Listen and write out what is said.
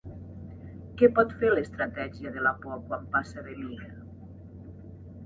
Què pot fer l'estratègia de la por quan passa de mida?